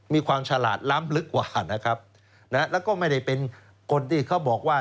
ฉลาดล้ำลึกกว่านะครับนะแล้วก็ไม่ได้เป็นคนที่เขาบอกว่า